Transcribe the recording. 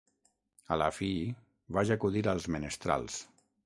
A la fi, vaig acudir als menestrals.